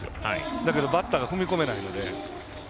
だけどバッターが踏み込めないので。